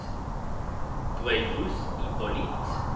DREYFUS, HIPPOLYTE.